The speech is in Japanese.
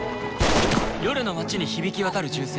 「夜の街に響き渡る銃声。